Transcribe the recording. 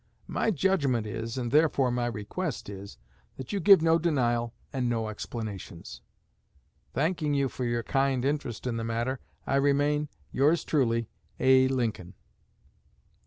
My judgment is, and therefore my request is, that you give no denial, and no explanations. Thanking you for your kind interest in the matter, I remain, Yours truly, A. LINCOLN.